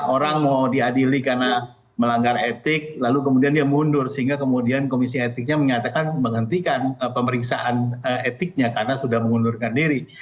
orang mau diadili karena melanggar etik lalu kemudian dia mundur sehingga kemudian komisi etiknya menyatakan menghentikan pemeriksaan etiknya karena sudah mengundurkan diri